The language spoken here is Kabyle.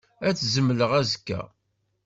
Ad t-zemleɣ azekka.